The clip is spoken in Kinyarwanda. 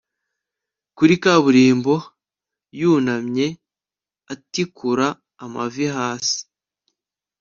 Kuri kaburimbo yunamye atikura amavi hasi